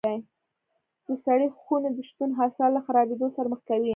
د سړې خونې نه شتون حاصلات له خرابېدو سره مخ کوي.